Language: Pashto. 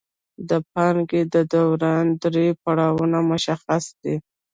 د پانګې د دوران درې پړاوونه مشخص دي